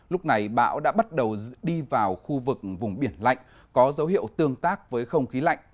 lúc này bão đã bắt đầu đi vào khu vực vùng biển lạnh có dấu hiệu tương tác với không khí lạnh